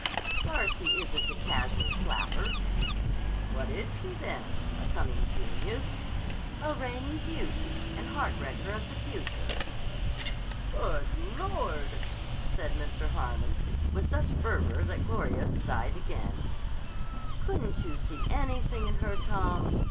"Darcy isn't a casual flapper." "What is she, then? A coming genius?" "A reigning beauty and heart wrecker of the future." "Good Lord!" said Mr. Harmon with such fervor that Gloria sighed again. "Couldn't you see anything in her, Tom?"